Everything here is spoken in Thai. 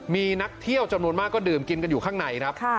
มีนักเที่ยวจำนวนมากก็ดื่มกินกันอยู่ข้างในครับ